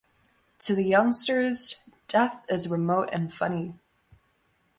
To the youngsters, death is remote and funny.